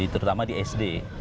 terutama di sd